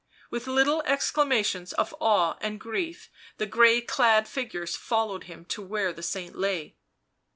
With little exclamations of awe and grief the grey <clad figures followed him to where the saint lay.